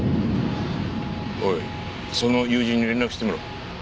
おいその友人に連絡してみろ。